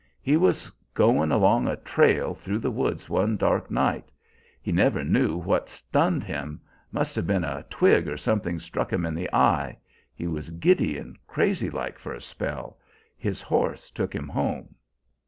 He was goin' along a trail through the woods one dark night; he never knew what stunned him; must have been a twig or something struck him in the eye; he was giddy and crazy like for a spell; his horse took him home.